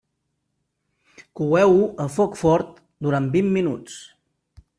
Coeu-ho a foc fort durant vint minuts.